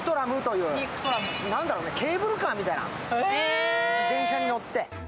ケーブルカーみたいな電車に乗って。